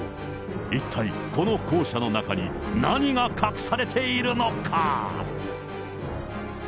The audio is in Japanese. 一体、この校舎の中に何が隠されているのか？